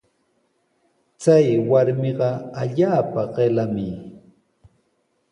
Chay warmiqa allaapa qillami.